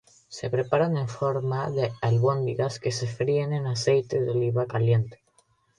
Se preparan en forma de albóndigas que se fríen en aceite de oliva caliente.